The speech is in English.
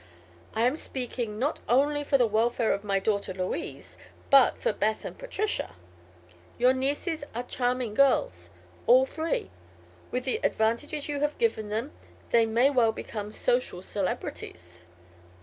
I am speaking not only for the welfare of my daughter Louise but for Beth and Patricia. Your nieces are charming girls, all three. With the advantages you have given them they may well become social celebrities."